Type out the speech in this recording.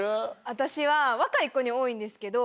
私は若い子に多いんですけど。